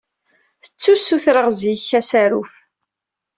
Ttu ssutreɣ seg-k asaruf.